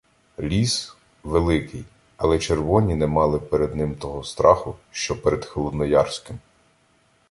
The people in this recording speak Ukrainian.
Ліс — великий, але червоні не мали перед ним того страху, що перед холодноярським.